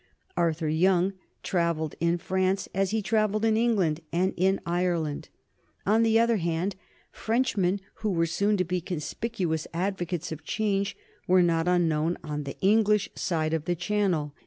Arthur Young travelled in France as he travelled in England and in Ireland. On the other hand, Frenchmen who were soon to be conspicuous advocates of change were not unknown on the English side of the Channel.